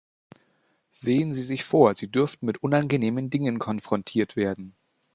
Sehen Sie sich vor, sie dürften mit unangenehmen Dingen konfrontiert werden.